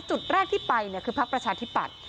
จุดแรกที่ไปคือพักประชาธิปัตย